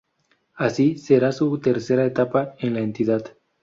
Así, será su tercera etapa en la entidad.